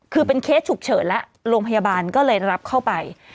คือเป็นเคสฉุกเฉินแล้วโรงพยาบาลก็เลยรับเข้าไป